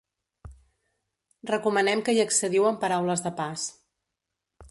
Recomanem que hi accediu amb paraules de pas.